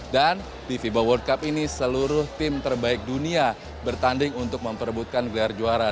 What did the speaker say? di fiba world cup ini seluruh tim terbaik dunia bertanding untuk memperebutkan gelar juara